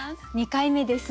２回目ですね。